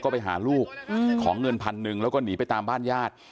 ไปหาลูกขอเงินพันหนึ่งแล้วก็หนีไปตามบ้านญาติ